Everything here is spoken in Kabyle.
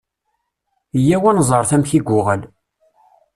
Yya-w ad neẓret amek i yuɣal.